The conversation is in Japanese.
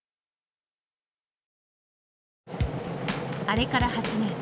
あれから８年。